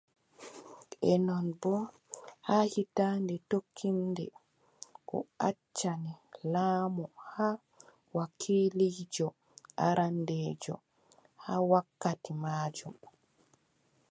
E non boo, haa hiitannde tokkiinde, o accani laamu haa, wakiliijo arandeejo haa wakkati maajum.